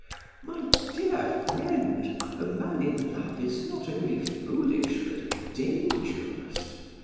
My dear friend, a man in love is not only foolish but dangerous.